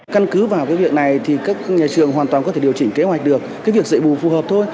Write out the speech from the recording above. căn cứ vào cái việc này thì các nhà trường hoàn toàn có thể điều chỉnh kế hoạch được cái việc dạy bù phù hợp thôi